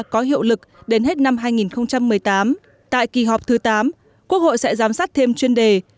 hai nghìn một mươi ba có hiệu lực đến hết năm hai nghìn một mươi tám tại kỳ họp thứ tám quốc hội sẽ giám sát thêm chuyên đề